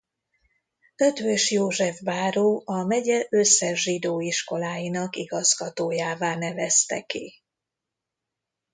Eötvös József báró a megye összes zsidó iskoláinak igazgatójává nevezte ki.